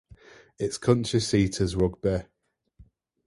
Its county seat is Rugby.